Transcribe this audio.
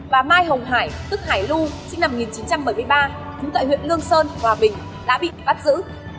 và mai hồng hải tức hải lu sinh năm một nghìn chín trăm bảy mươi ba trú tại huyện lương sơn hòa bình đã bị bắt giữ